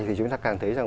thì chúng ta càng thấy